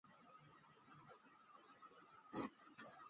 阿布鲁佐的蒙特普尔恰诺在橡木桶经过约一年的陈酿。